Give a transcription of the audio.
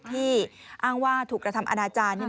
ที่อ้างว่าถูกกระทำอนาจารย์